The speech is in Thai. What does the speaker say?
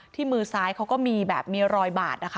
มือซ้ายเขาก็มีแบบมีรอยบาดนะคะ